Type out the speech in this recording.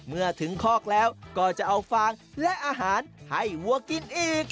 เมื่อถึงคอกแล้วก็จะเอาฟางและอาหารให้วัวกินอีก